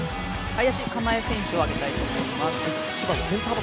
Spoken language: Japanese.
林香奈絵選手を挙げたいと思います。